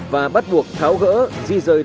và bắt buộc tháo gỡ di rời toàn